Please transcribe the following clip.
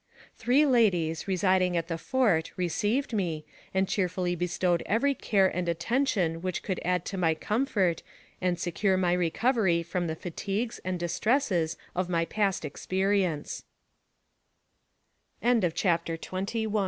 Three ladies, residing at the fort, received me, and cheerfully bestowed every care and attention which could add to my comfort and secure my recovery from the fatigues and distresses of my past experienc